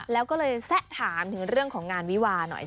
แล้วก็เลยแซะถามถึงเรื่องของงานวิวาหน่อย